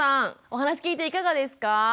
お話聞いていかがですか？